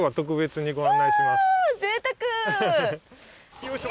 よいしょ。